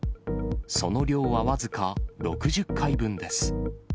その量は僅か６０回分です。